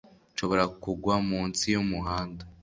nshobora kugwa munsi y'umuhanda".